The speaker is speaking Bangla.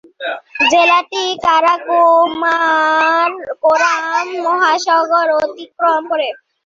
জেলাটি কারাকোরাম মহাসড়ক অতিক্রম করে।